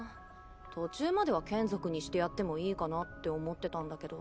途中までは眷属にしてやってもいいかなって思ってたんだけど。